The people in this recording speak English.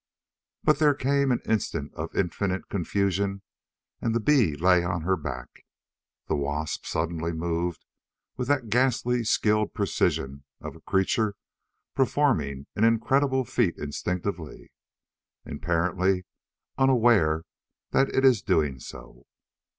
But there came an instant of infinite confusion and the bee lay on her back. The wasp suddenly moved with that ghastly skilled precision of a creature performing an incredible feat instinctively, apparently unaware that it is doing so.